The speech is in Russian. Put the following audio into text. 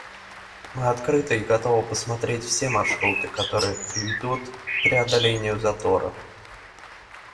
Мы открыты и готовы посмотреть все маршруты, которые приведут к преодолению затора.